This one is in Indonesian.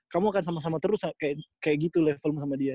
kamu akan sama sama terus kayak gitu levelmu sama dia